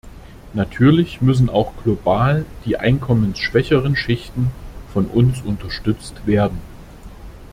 Natürlich müssen auch global die einkommensschwächeren Schichten von uns unterstützt werden.